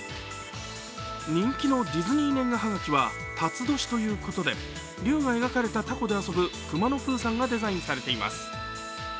人気のディズニー年賀はがきはたつ年ということで龍が描かれたたこで遊ぶくまのプーさんがデザインされています。